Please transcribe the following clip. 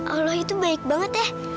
allah itu baik banget ya